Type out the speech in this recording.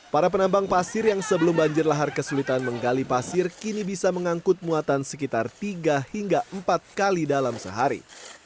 para penambang pasir yang sebelum banjir lahar kesulitan menggali pasir kini bisa mengangkut muatan sekitar tiga hingga empat kali dalam sehari